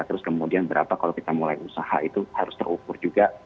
terus kemudian berapa kalau kita mulai usaha itu harus terukur juga